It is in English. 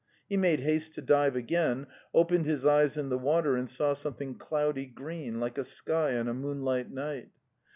He made haste to dive again, opened his eyes in the water and saw something cloudy green like a sky on a moonlight night.